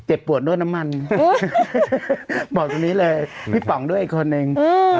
ปวดด้วยน้ำมันบอกตรงนี้เลยพี่ป๋องด้วยอีกคนนึง